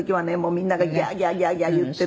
みんながギャーギャーギャーギャー言ってね。